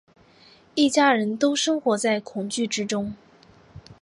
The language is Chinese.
一家人都生活在恐惧之中